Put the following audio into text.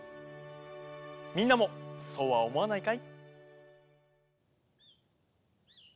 みんなもそうはおもわないかい？